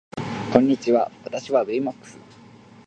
こんにちは私はベイマックス